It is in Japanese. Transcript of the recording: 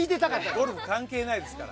ゴルフ関係ないですから。